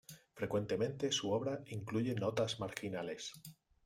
Frecuentemente su obra incluye notas marginales.